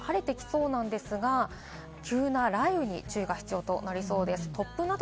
西日本はこの後、晴れてきそうなんですが急な雷雨に注意が必要となりそうです。